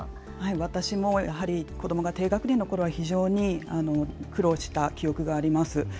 私も子どもが低学年のころは非常に苦労した記憶があります。